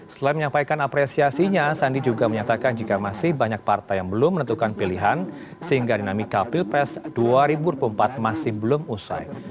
selain menyampaikan apresiasinya sandi juga menyatakan jika masih banyak partai yang belum menentukan pilihan sehingga dinamika pilpres dua ribu dua puluh empat masih belum usai